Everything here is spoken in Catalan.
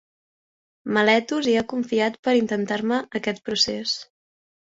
Meletos hi ha confiat per intentar-me aquest procés.